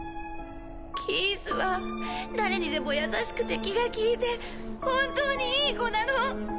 キースは誰にでも優しくて気が利いて本当にいい子なの。